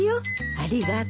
ありがとう。